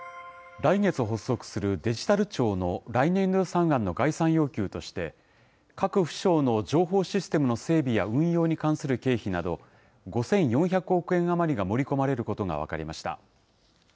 来月発足するデジタル庁の来年度予算案の概算要求として、各府省の情報システムの整備や運用に関する経費など、５４００億円余りが盛り込まれることが分かりました。